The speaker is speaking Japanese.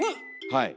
はい。